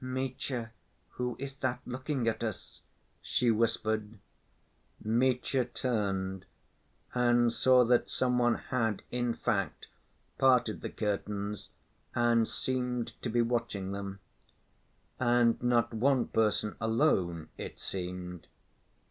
"Mitya, who is that looking at us?" she whispered. Mitya turned, and saw that some one had, in fact, parted the curtains and seemed to be watching them. And not one person alone, it seemed.